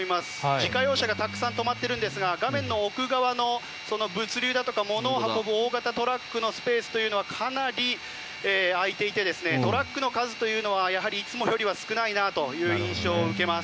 自家用車がたくさん止まっているんですが画面の奥側の物流だとか物を運ぶ大型トラックのスペースというのはかなり空いていてトラックの数というのはいつもよりは少ないなという印象を受けます。